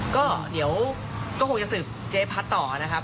ก็เดี๋ยวก็คงจะสืบเจ๊พัดต่อนะครับ